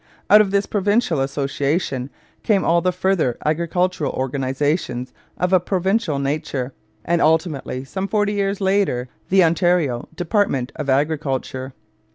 Out of this provincial association came all the further agricultural organizations of a provincial nature, and ultimately, some forty years later, the Ontario department of Agriculture.